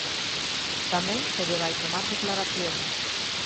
Tamén se lle vai tomar declaración.